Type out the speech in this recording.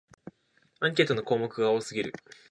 アンケートの項目が多すぎる